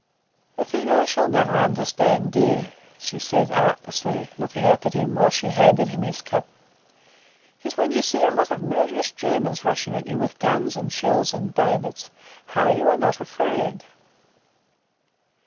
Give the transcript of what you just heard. "The thing I shall never understand, dear," she said, artlessly, looking up at him, while she handed him his cup, "is when you see a lot of murderous Germans rushing at you with guns and shells and bayonets, how you are not afraid."